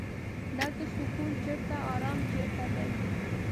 دلته سکون چرته ارام چرته دی.